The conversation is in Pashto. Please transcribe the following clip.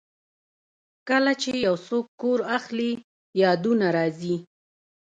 کله چې یو څوک کور اخلي، یادونه راځي.